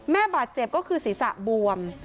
บาดเจ็บก็คือศีรษะบวม